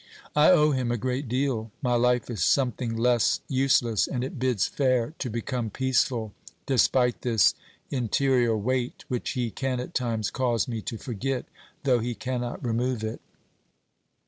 I owe him a great deal ; my life is something less useless, and it bids fair to become peaceful despite this interior weight which he can at times cause me to forget, though he cannot remove it.